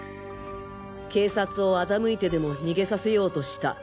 警察をあざむいてでも逃げさせようとした。